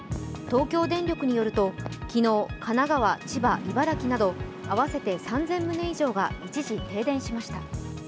東京電力によると昨日、神奈川、千葉、茨城など合わせて３０００棟以上が一時停電しました。